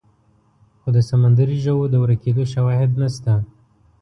خو د سمندري ژوو د ورکېدو شواهد نشته.